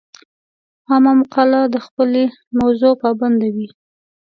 عامه مقاله د خپلې موضوع پابنده وي.